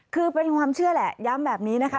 คือเป็นความเชื่อแหละย้ำแบบนี้นะคะ